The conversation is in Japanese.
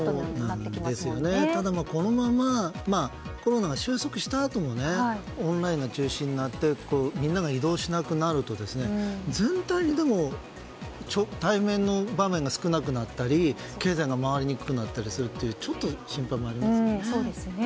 ただこのままコロナが終息したあともオンラインが中心になってみんなが移動しなくなると全体でも対面の場面が少なくなったり経済が回りにくくなったりする心配もありますよね